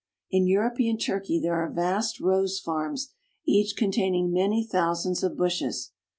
In European Turkey there are vast rose farms each containing many thousands of bushes.